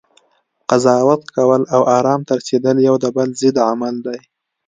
قضاوت کول، او ارام ته رسیدل یو د بل ضد عمل دی